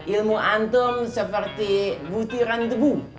ilmu antum seperti butiran debu